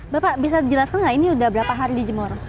bapak bisa dijelaskan nggak ini udah berapa hari dijemur